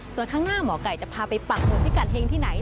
ส่วนข้างหน้าหมอไก่จะพาไปปักหมุดพิกัดเฮงที่ไหน